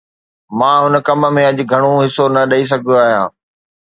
مان هن ڪم ۾ اڄ گهڻو حصو نه ڏئي سگهيو آهيان.